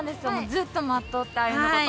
ずっと待っとったあゆのこと。